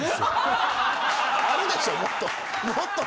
あるでしょもっと。